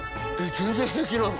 全然平気なの？